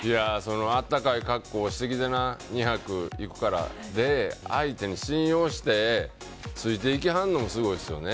暖かい格好をしてきてな２泊行くからで相手に信用してついて行きはるのもすごいですよね。